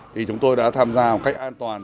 thì chúng tôi đã tham gia một cách an toàn